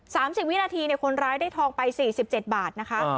สิบวินาทีเนี่ยคนร้ายได้ทองไปสี่สิบเจ็ดบาทนะคะ